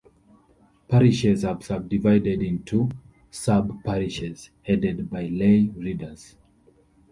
Parishes are subdivided into sub-parishes, headed by lay readers.